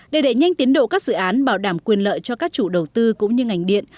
để đẩy nhanh tiến độ các dự án bảo đảm quyền lợi cho các chủ đầu tư cũng như ngành điện